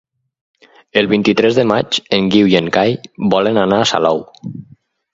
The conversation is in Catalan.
El vint-i-tres de maig en Guiu i en Cai volen anar a Salou.